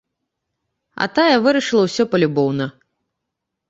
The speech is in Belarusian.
А тая вырашыла ўсё палюбоўна.